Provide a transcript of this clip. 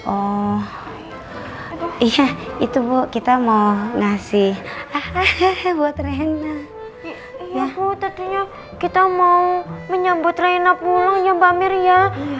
oh iya itu kita mau ngasih buat renanya ya kita mau menyebut reina pulangnya mbak mir ya